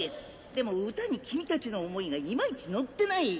でも歌に君たちの思いがいまいちのってない。